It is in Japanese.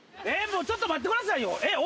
もうちょっと待ってくださいよ。